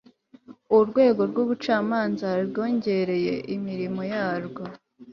urwego rw ubucamanza rwongereye imirimo yarwo